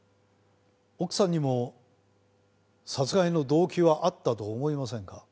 奥さんにも殺害の動機はあったと思いませんか？